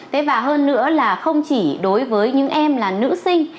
thế và hơn nữa là không chỉ đối với những em là nữ sinh